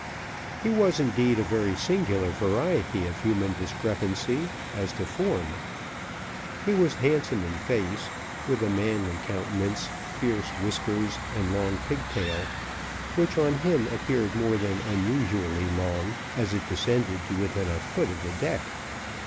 He was indeed a very singular variety of human discrepancy as to form: he was handsome in face, with a manly countenance, fierce whiskers and long pigtail, which on him appeared more than unusually long, as it descended to within a foot of the deck.